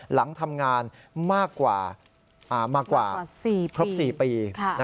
หลังทำงานมากกว่าครบ๔ปี